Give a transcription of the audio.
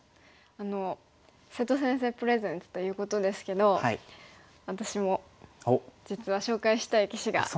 あの「瀬戸先生プレゼンツ」ということですけど私も実は紹介したい棋士がいます。